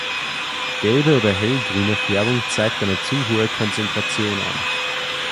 Gelbe oder hellgrüne Färbung zeigt eine zu hohe Konzentration an.